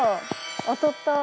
当たった。